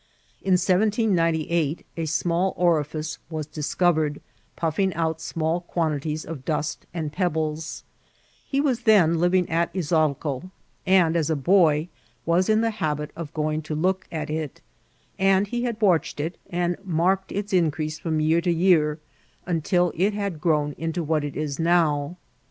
In 1798 a small orifice was discov* ered puffing out small quantities of dust and pebbles* He was then living at Izalco, and, as a boy, was in the habit of going to look at it ; and he had watched it, and marked its increase from year to year, until it had grown into what it is now.